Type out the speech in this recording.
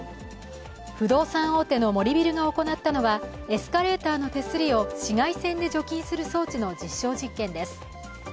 不動産大手の森ビルが行ったのはエスカレーターの手すりを紫外線で除菌する装置の実証実験です。